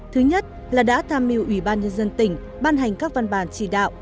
thứ nhất là đã tham mưu ủy ban nhân dân tỉnh ban hành các văn bản chỉ đạo